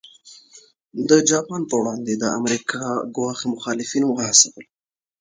د جاپان پر وړاندې د امریکا ګواښ مخالفین وهڅول.